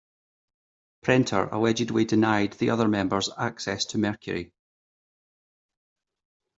Prenter allegedly denied the other members access to Mercury.